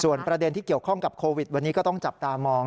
ประเด็นที่เกี่ยวข้องกับโควิดวันนี้ก็ต้องจับตามอง